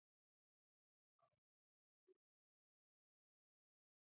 جون د خپل شعر په چاپولو کې هم بې پروا و